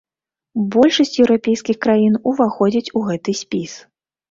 Большасць еўрапейскіх краін уваходзяць у гэты спіс.